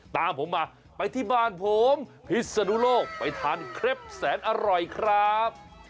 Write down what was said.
ตามผมมาไปที่บ้านผมพิศนุโลกไปทานเครปแสนอร่อยครับ